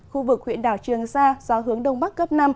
khu vực huyện đảo trường sa gió hướng đông bắc cấp năm